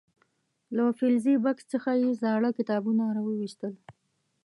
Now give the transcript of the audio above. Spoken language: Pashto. له فلزي بکس څخه یې زاړه کتابونه راو ویستل.